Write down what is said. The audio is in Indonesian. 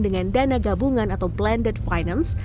dengan dana gabungan atau blended finance